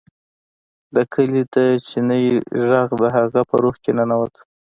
د کلي د چینې غږ د هغه په روح کې ننوت